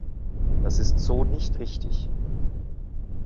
Das ist so nicht richtig.